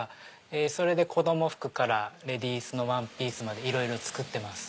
それで子供服からレディースのワンピースまでいろいろ作ってます。